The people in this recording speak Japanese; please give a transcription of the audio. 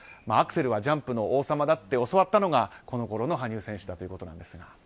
アクセルはジャンプの王様だと教わったのが、このころの羽生選手だということですが。